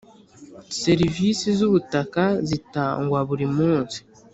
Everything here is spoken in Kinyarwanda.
Serivisi z ‘ubutaka zitangwa buri munsi.